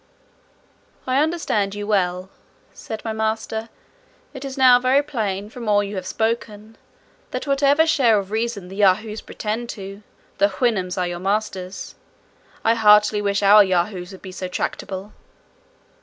"I understand you well," said my master: "it is now very plain, from all you have spoken, that whatever share of reason the Yahoos pretend to, the Houyhnhnms are your masters; I heartily wish our Yahoos would be so tractable."